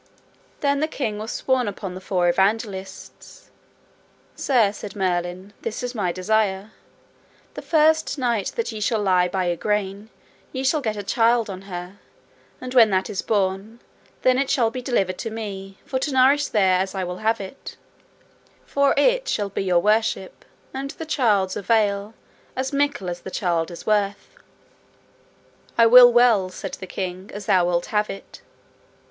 Then the king was sworn upon the Four Evangelists. Sir, said Merlin, this is my desire: the first night that ye shall lie by Igraine ye shall get a child on her, and when that is born, that it shall be delivered to me for to nourish there as I will have it; for it shall be your worship, and the child's avail, as mickle as the child is worth. I will well, said the king, as thou wilt have it.